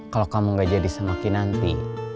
kalau kamu gak jadi semakin nanti